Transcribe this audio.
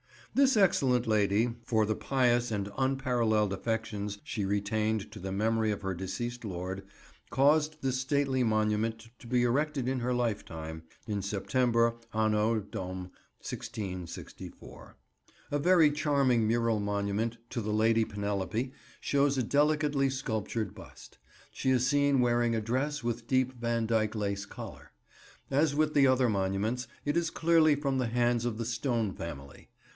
"This excellent lady, for the pious and unparallel'd affections she retained to the memory of her deceased lord, caused this stately monument to be erected in her lifetime, in September Anno Dom. 1664." A very charming mural monument to the Lady Penelope shows a delicately sculptured bust. She is seen wearing a dress with deep Vandyck lace collar. As with the other monuments, it is clearly from the hands of the Stone family.